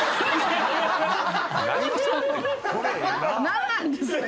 何なんですか？